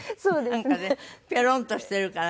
なんかねペロンとしてるから。